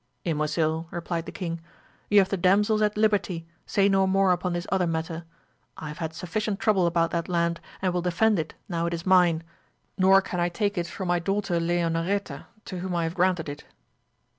Ymosil, replied the king, you have the damsels at liberty, say no more upon this other matter ; I have had sufficient trouble about that land, and will defend it now it is mine, nor can I take it from my daughter Leonoreta, to whom I have granted it.